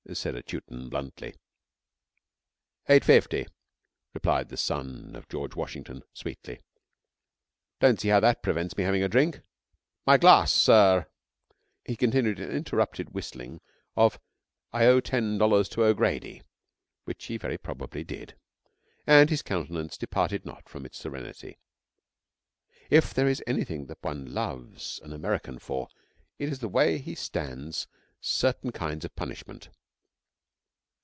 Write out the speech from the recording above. said a Teuton bluntly. 'Eight fifty,' replied the son of George Washington sweetly. 'Don't see how that prevents me having a drink. My glass, sirr.' He continued an interrupted whistling of 'I owe ten dollars to O'Grady' (which he very probably did), and his countenance departed not from its serenity. If there is anything that one loves an American for it is the way he stands certain kinds of punishment.